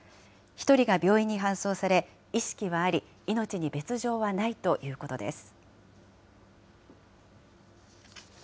１人が病院に搬送され、意識はあり、命に別状はないということです。